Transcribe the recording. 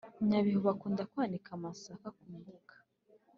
nyabihu bakunda kwanika amasaka ku mbuga